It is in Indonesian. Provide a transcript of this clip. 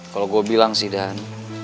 kalau gue bilang sih dan